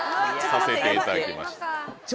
させていただきます。